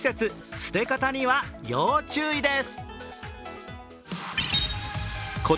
捨て方には要注意です。